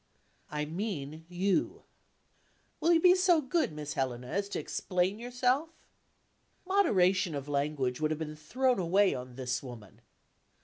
"I mean you." "Will you be so good, Miss Helena, as to explain yourself?" Moderation of language would have been thrown away on this woman.